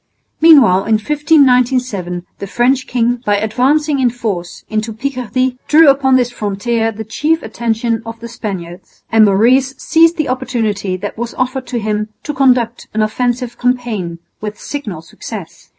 Meanwhile in 1597 the French king, by advancing in force into Picardy, drew upon this frontier the chief attention of the Spaniards; and Maurice seized the opportunity that was offered to him to conduct an offensive campaign with signal success.